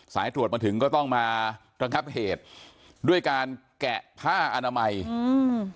สายตรวจมาถึงก็ต้องมาระงับเหตุด้วยการแกะผ้าอนามัยอืม